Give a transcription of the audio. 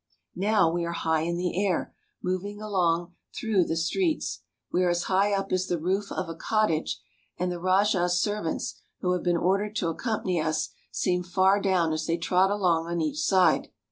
Now we are high in the air, moving along through the THE NATIVE STATES OF INDIA 293 Streets. We are as high up as the roof of a cottage, and the rajah's servants, who have been ordered to accompany us, seem far down as they trot along on each side.